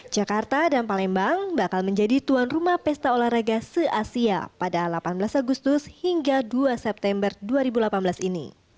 jakarta dan palembang bakal menjadi tuan rumah pesta olahraga se asia pada delapan belas agustus hingga dua september dua ribu delapan belas ini